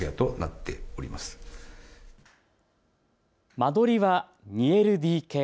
間取りは２ＬＤＫ。